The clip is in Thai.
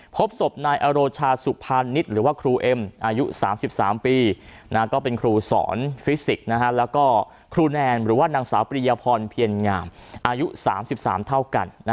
พบศพนายอโรชาสุภานิษฐ์หรือว่าครูเอ็มอายุ๓๓ปีก็เป็นครูสอนฟิสิกส์แล้วก็ครูแนนหรือว่านางสาวปริยพรเพียรงามอายุ๓๓เท่ากัน